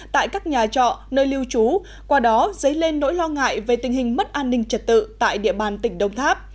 tại các nhà trọ nơi lưu trú qua đó dấy lên nỗi lo ngại về tình hình mất an ninh trật tự tại địa bàn tỉnh đồng tháp